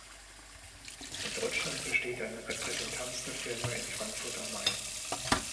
In Deutschland besteht eine Repräsentanz der Firma in Frankfurt am Main.